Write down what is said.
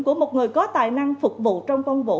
của một người có tài năng phục vụ trong công vụ